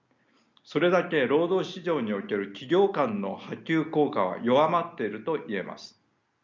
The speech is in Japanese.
それだけ労働市場における企業間の波及効果は弱まっているといえます。